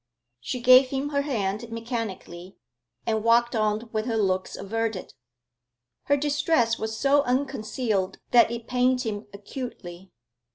She gave him her hand mechanically, and walked on with her looks averted. Her distress was so unconcealed that it pained him acutely.